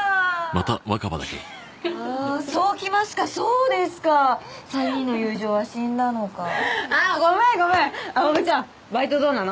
ふふふっああーそうきますかそうですか３人の友情は死んだのかああーごめんごめんわぶちゃんバイトどうなの？